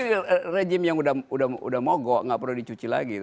ini rejim yang sudah mogok tidak perlu dicuci lagi